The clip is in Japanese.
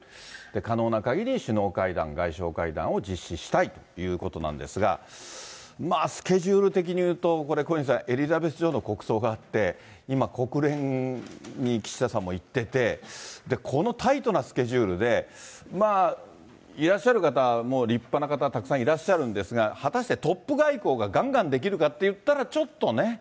可能なかぎり首脳会談、外相会談を実施したいということなんですが、スケジュール的に言うと、これ、小西さん、エリザベス女王の国葬があって、今、国連に岸田さんも行ってて、このタイトなスケジュールで、いらっしゃる方、もう立派な方たくさんいらっしゃるんですが、果たしてトップ外交ががんがんできるかといったら、ちょっとね。